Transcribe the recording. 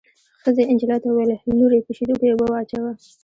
ښځې نجلۍ ته وویل: لورې په شېدو کې اوبه واچوه.